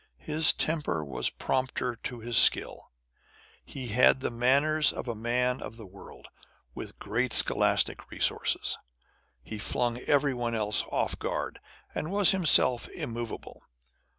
His temper was prompter to his skill. He had the manners of a man of the world, with great scholastic resources. He flung everyone else off his guard, and was himself immovable.